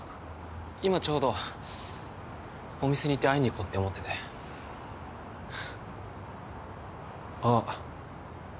今ちょうどお店に行って会いに行こうって思っててあっ